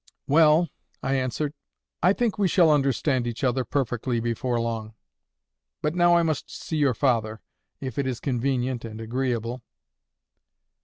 "Well," I answered, "I think we shall understand each other perfectly before long. But now I must see your father, if it is convenient and agreeable."